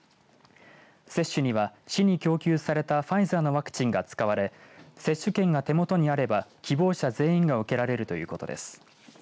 接種には市に供給されたファイザーのワクチンが使われ接種券が手元にあれば希望者全員が受けられるということです。